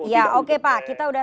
ya oke pak kita sudah